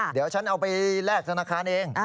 เดี๋ยวฉันเอาไปแลกธนาคารเอง